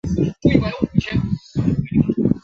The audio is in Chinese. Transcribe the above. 国营第一良种是下辖的一个类似乡级单位。